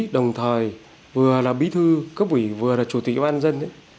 đồng thời vừa là bí thư cấp ủy vừa là chủ tịch ủy ban dân